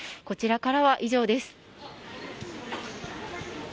こちらからは以上です。